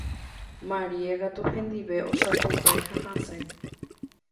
Maria katu hendive osapukái ha hasẽ